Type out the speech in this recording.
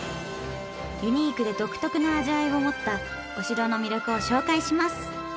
ユニークで独特の味わいを持ったお城の魅力を紹介します。